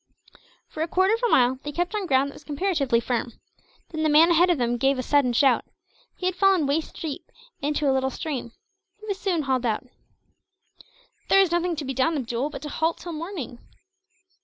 For a quarter of a mile, they kept on ground that was comparatively firm. Then the man ahead of them gave a sudden shout. He had fallen, waist deep, into a little stream. He was soon hauled out. "There is nothing to be done, Abdool, but to halt till morning.